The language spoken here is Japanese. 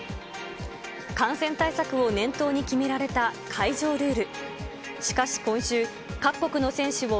感染対策を念頭に決められた会場ルール。